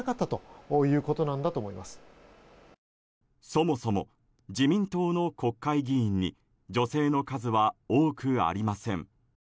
そもそも自民党の国会議員に女性の数は多くありません。